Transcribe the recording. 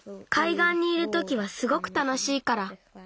がんにいるときはすごくたのしいから。